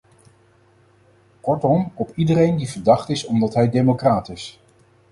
Kortom, op iedereen die verdacht is omdat hij democraat is.